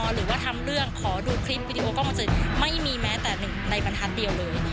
หรือว่าทำเรื่องขอดูคลิปวิดีโอกล้องมาเจอไม่มีแม้แต่หนึ่งในบรรทัศน์เดียวเลย